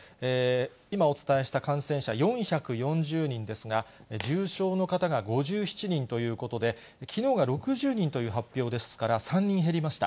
今お伝えした感染者、４４０人ですが、重症の方が５７人ということで、きのうが６０人という発表ですから、３人減りました。